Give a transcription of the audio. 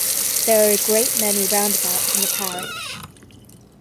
There are a great many roundabouts in the parish.